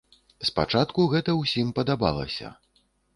Спачатку гэта ўсім падабалася.